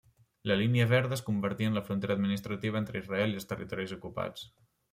La Línia verda es convertí en la frontera administrativa entre Israel i els territoris ocupats.